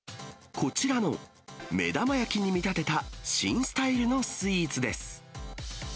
こちらの目玉焼きに見立てた新スタイルのスイーツです。